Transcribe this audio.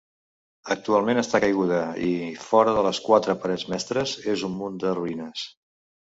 Actualment està caiguda, i, fora de les quatre parets mestres, és un munt de ruïnes.